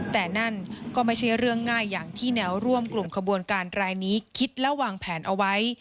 แต่นั่นก็ไม่ใช่เรื่องง่ายอย่างที่แนวร่วมกลุ่มขบวนการรายนี้คิดและวางแผนเอาไว้